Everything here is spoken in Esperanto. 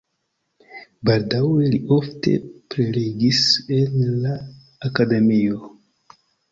Baldaŭe li ofte prelegis en la akademio.